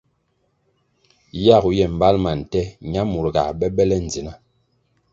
Yagu ye mbali ma nte ñamur ga be be le ndzna.